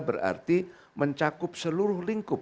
berarti mencakup seluruh lingkup